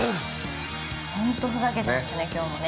◆本当ふざけてましたね、きょうもね。